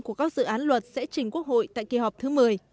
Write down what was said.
của các dự án luật sẽ chỉnh quốc hội tại kỳ họp thứ một mươi